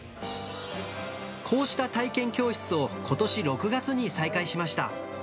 こうした体験教室をことし６月に再開しました。